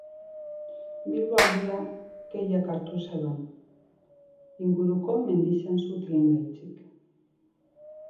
Bilboaldea keak hartu zuen, inguruko mendien suteengatik.